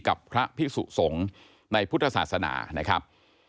กับพระพิสุสงฆ์ในพุทธศาสนานะครับ